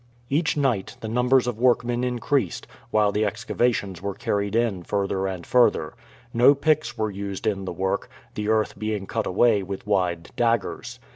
Each night the numbers of workmen increased, while the excavations were carried in further and further. No picks were used in the work, the earth being cut away with wide daggers.